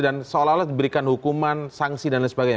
dan seolah olah diberikan hukuman sangsi dan lain sebagainya